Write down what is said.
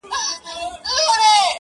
بدلون به خامخا هغې ترغيب سره راځي